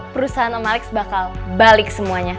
perusahaan om alex bakal balik semuanya